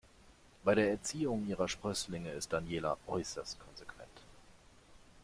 Bei der Erziehung ihrer Sprösslinge ist Daniela äußerst konsequent.